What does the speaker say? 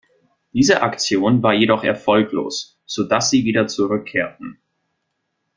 Diese Aktion war jedoch erfolglos, so dass sie wieder zurückkehrten.